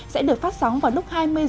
sẽ được phát sóng vào lúc hai mươi h